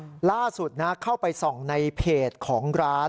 ล่าสุดนะเข้าไปส่องในเพจของร้าน